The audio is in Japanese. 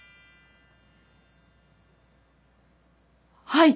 はい！